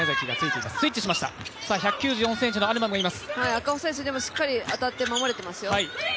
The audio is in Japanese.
赤穂選手、しっかり当たって守れてますよ。